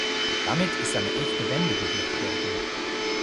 Damit ist eine echte Wende bewirkt worden.